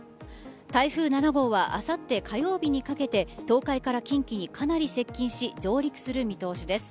台風７号はあさって火曜日にかけて東海から近畿にかなり接近し上陸する見通しです。